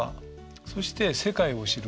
そして世界を知る言葉。